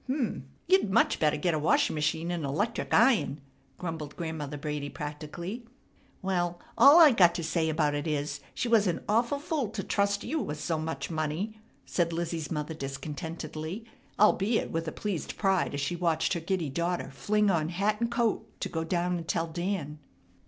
"H'm! You'd much better get a washing machine and a 'lectric iron!" grumbled Grandmother Brady practically. "Well, all I got to say about it is, she was an awful fool to trust you with so much money," said Lizzie's mother discontentedly, albeit with a pleased pride as she watched her giddy daughter fling on hat and coat to go down and tell Dan.